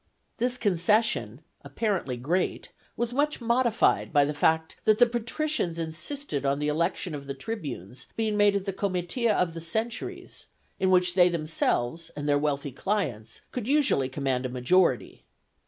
This concession, apparently great, was much modified by the fact that the patricians insisted on the election of the tribunes being made at the Comitia of the Centuries, in which they themselves and their wealthy clients could usually command a majority.